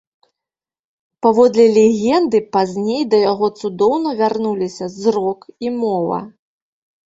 Паводле легенды, пазней да яго цудоўна вярнуліся зрок і мова.